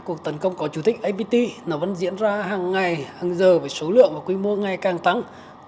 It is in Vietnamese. cuộc tấn công của chủ tịch apt nó vẫn diễn ra hàng ngày hàng giờ với số lượng và quy mô ngày càng tăng